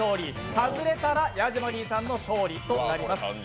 外れたらヤジマリーさんの勝利となります。